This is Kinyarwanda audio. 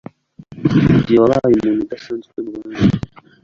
Buri gihe wabaye umuntu udasanzwe mubandi